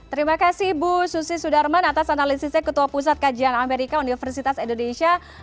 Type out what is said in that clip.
terima kasih bu susi sudarman atas analisisnya ketua pusat kajian amerika universitas indonesia